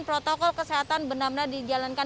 protokol kesehatan benar benar dijalankan